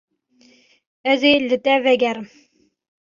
Ez ê li te vegerim.